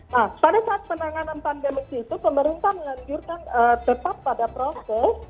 nah pada saat penanganan pandemi itu pemerintah menganjurkan tetap pada proses